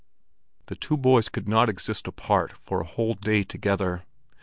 The two boys could not exist apart for a whole day together.